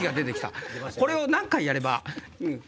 これを何回やればうん。